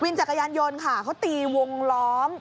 จักรยานยนต์ค่ะเขาตีวงล้อม